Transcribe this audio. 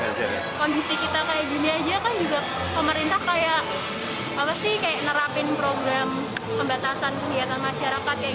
kondisi kita kayak gini aja kan juga pemerintah kayak apa sih kayak nerapin program pembatasan kegiatan masyarakat